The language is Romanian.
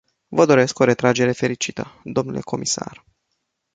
Vă doresc o retragere fericită, dle comisar.